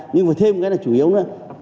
nhưng phải thêm một cái là chủ yếu nữa